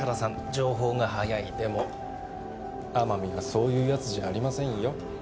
情報が早いでも天海はそういうやつじゃありませんよ